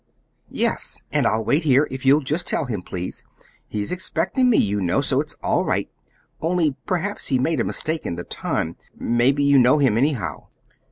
"Yes; and I'll wait here, if you'll just tell him, please. He's expecting me, you know, so it's all right, only perhaps he made a mistake in the time. Maybe you know him, anyhow."